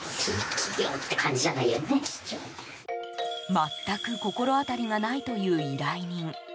全く心当たりがないという依頼人。